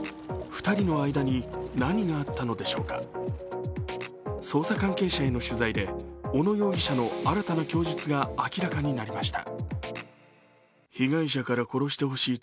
２人の間に何があったのでしょうか捜査関係者への取材で、小野容疑者の新たな供述が明らかになりました。